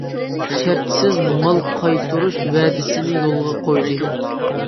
شەرتسىز مال قايتۇرۇش ۋەدىسىنى يولغا قويدى.